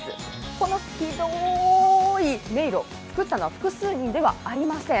この広い迷路、作ったのは複数人ではありません。